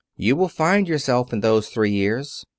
You will find yourself in those three years.